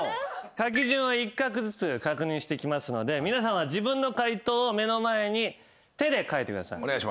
書き順を１画ずつ確認していきますので皆さんは自分の解答を目の前に手で書いてください。